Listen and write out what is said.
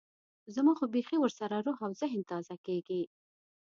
زما خو بيخي ورسره روح او ذهن تازه کېږي.